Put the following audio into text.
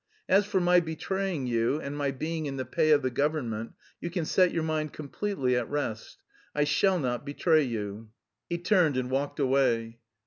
As for my betraying you and my being in the pay of the government, you can set your mind completely at rest. I shall not betray you." He turned and walked away.